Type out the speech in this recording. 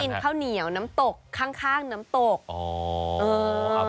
ต้องกินข้าวเหนียวน้ำตกข้างน้ำตก